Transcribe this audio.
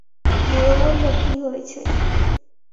বুড়ো বলল, কি হইছে?